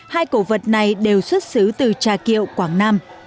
hai cổ vật này đều xuất xứ từ trà kiệu quảng nam